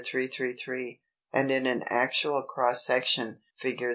333, and in an actual cross section, Fig.